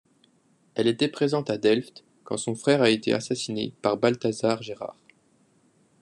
Elle était présente à Delft quand son frère a été assassiné par Balthazar Gérard.